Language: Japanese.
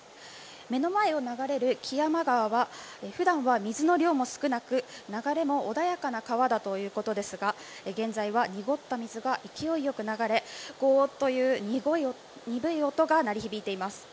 目の前を流れる木山川は普段は水の量も少なく流れも穏やかな川だということですが現在は濁った水が勢いよく流れゴーっという鈍い音が鳴り響いています。